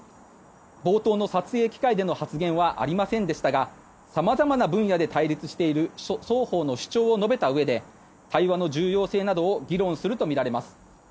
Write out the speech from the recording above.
冒頭の撮影機会での発言はありませんでしたが様々な分野で対立している双方の主張を述べたうえで対話の重要性などを議論するとみられます。